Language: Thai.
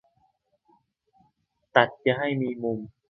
ตัดอย่าให้มีมุม